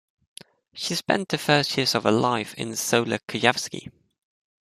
She spent the first years of her life in Solec Kujawski.